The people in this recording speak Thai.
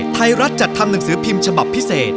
ไทยรัฐจัดทำหนังสือพิมพ์ฉบับพิเศษ